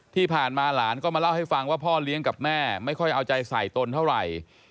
ที่ผ่านมาหลานก็มาเล่าให้ฟังว่าพ่อเลี้ยงกับแม่ไม่ค่อยเอาใจใส่ตนเท่าไหร่